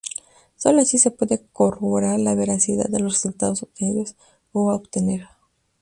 Sólo así se puede corroborar la veracidad de los resultados obtenidos o a obtener.